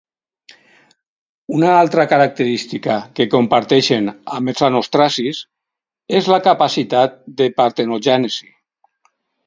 Una altra característica que comparteixen amb els anostracis és la capacitat de partenogènesi.